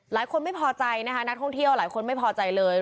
หลายคนไม่พอใจนะคะนักท่องเที่ยวหลายคนไม่พอใจเลย